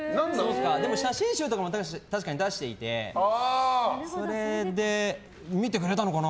でも写真集とかも確かに出していてそれで見てくれたのかな